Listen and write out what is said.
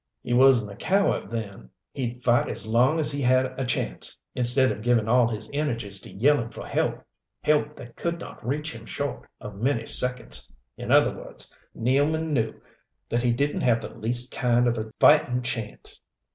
"He wasn't a coward then. He'd fight as long as he had a chance, instead of giving all his energies to yelling for help help that could not reach him short of many seconds. In other words, Nealman knew that he didn't have the least kind of a fighting chance.